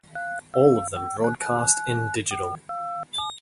All of them broadcast in digital.